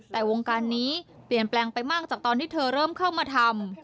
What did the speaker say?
แต่วงการนี้เปลี่ยนแปลงไปมากจากตอนที่เธอเริ่มเข้ามาทำ